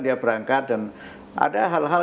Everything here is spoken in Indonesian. dia berangkat dan ada hal hal